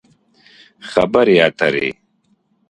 خبرې اترې